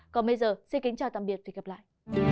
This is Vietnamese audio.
còn bây giờ xin kính chào tạm biệt và hẹn gặp lại